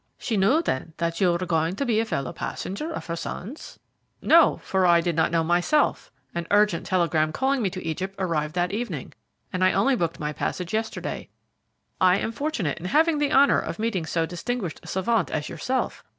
"She knew, then, that you were going to be a fellow passenger of her son's?" "No, for I did not know myself. An urgent telegram calling me to Egypt arrived that evening, and I only booked my passage yesterday. I am fortunate in having the honour of meeting so distinguished a savant as yourself.